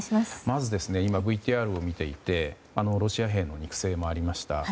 まず、今、ＶＴＲを見ていてロシア兵の肉声もありました。